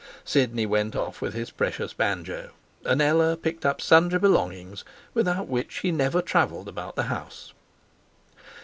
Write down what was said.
Sidney went off with his precious banjo, and Ella picked up sundry belongings without which she never travelled about the house.